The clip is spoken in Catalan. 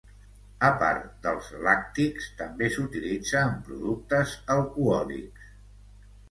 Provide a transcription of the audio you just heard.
A part dels làctics també s'utilitza en productes alcohòlics.